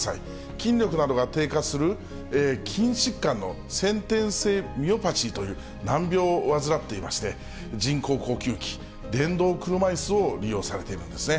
筋力などが低下する筋疾患の先天性ミオパチーという難病を患っていまして、人工呼吸器、電動車いすを利用されているんですね。